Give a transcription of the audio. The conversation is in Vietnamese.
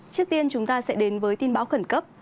trước tiên chúng ta sẽ đến với tin báo khẩn cấp